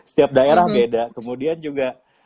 setiap daerah beda kemudian juga